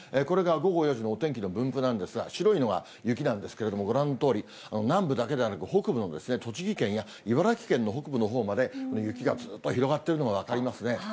これが午後４時のお天気の分布なんですが、白いのが雪なんですけれども、ご覧のとおり、南部だけでなくて、北部の栃木県や茨城県の北部のほうまで、雪がずっと広がっているのが分かりますね。